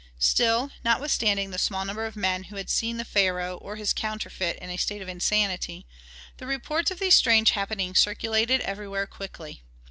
Still, notwithstanding the small number of men who had seen the pharaoh or his counterfeit in a state of insanity, the reports of these strange happenings circulated everywhere very quickly.